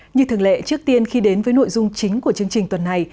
như thường lệ trước tiên khi đến với nội dung chính của chương trình tuần này